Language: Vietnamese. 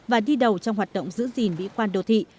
và đi đầu trong hoạt động giữ gìn vĩ quan đồ thị